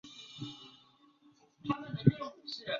春梅最后嫁给了一名达官贵人。